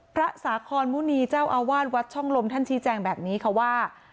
พระสาคอนมุณีเจ้าอาวาสวัดช่องลมท่านชี้แจงแบบนี้ค่ะว่า